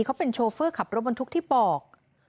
เขาเป็นโชเฟอร์ขับรถบรรทุกที่ปอก